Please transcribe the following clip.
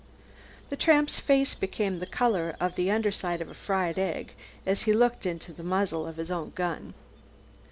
The tramp's face became the colour of the under side of a fried egg as he looked into the muzzle of his own gun.